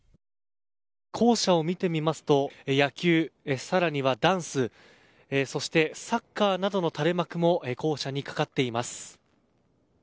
校舎を見てみますと野球、さらにはダンスそしてサッカーなどの垂れ幕も校舎に掛かっています。